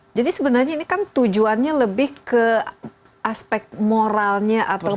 sebenarnya ini kan tujuannya lebih ke aspek moralnya atau